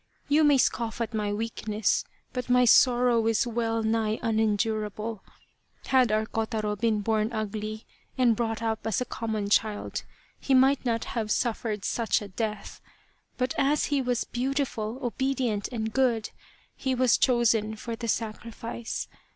You may scoff at my weakness, but my sorrow is well nigh unendurable. Had our Kotaro been born ugly, and brought up as a common child, he might not have suffered such a death. But as he was beautiful, obedient, and good, he was chosen for the sacrifice.